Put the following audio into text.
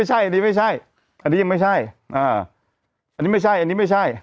ไม่ใช่อันนี้ไม่ใช่อันนี้ยังไม่ใช่อ่าอันนี้ไม่ใช่อันนี้ไม่ใช่